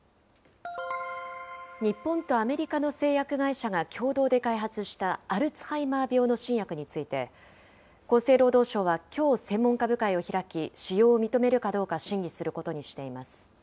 日本とアメリカの製薬会社が共同で開発したアルツハイマー病の新薬について、厚生労働省はきょう専門家部会を開き、使用を認めるかどうか審議することにしています。